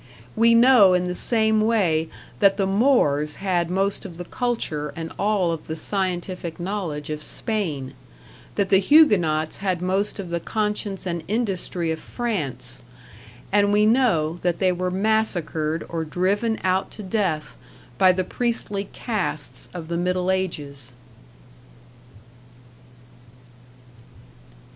We know in the same way that the Moors had most of the culture and all of the scientific knowledge of Spain, that the Huguenots had most of the conscience and industry of France; and we know that they were massacred or driven out to death by the priestly castes of the Middle Ages.